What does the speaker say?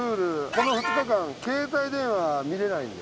この２日間携帯電話は見られないんで。